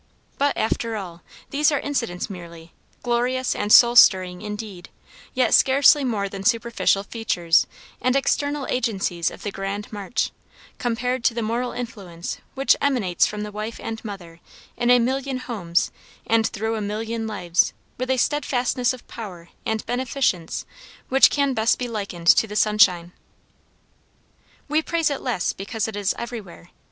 But after all, these are incidents merely, glorious and soul stirring indeed, yet scarcely more than superficial features and external agencies of the grand march, compared to the moral influence which emanates from the wife and mother in a million homes and through a million lives with a steadfastness and power and beneficence which can best be likened to the sunshine. We praise it less because it is everywhere.